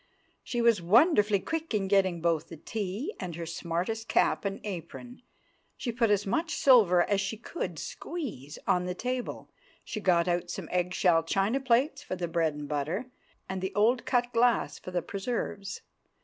She was wonderfully quick in getting both the tea and her smartest cap and apron. She put as much silver as she could squeeze on the table; she got out some egg shell china plates for the bread and butter, and the old cut glass for the preserves.